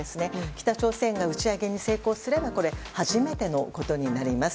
北朝鮮が打ち上げに成功すれば初めてのことになります。